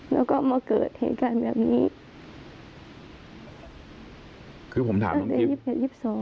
แล้วก็มาเกิดเหตุการณ์แบบนี้ในอายุ๒๒